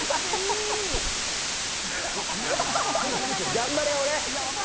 頑張れ、俺。